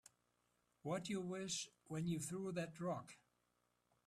What'd you wish when you threw that rock?